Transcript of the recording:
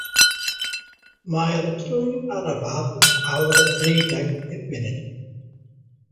Mae'r trên arafaf yn awr a thrideg pum munud.